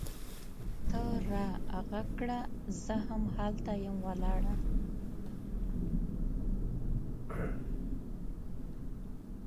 ته را ږغ کړه! زه هم هلته یم ولاړه